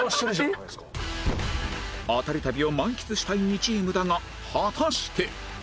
アタリ旅を満喫したい２チームだが果たして？